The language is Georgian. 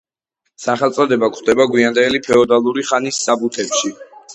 სახელწოდება გვხვდება გვიანდელი ფეოდალური ხანის საბუთებში.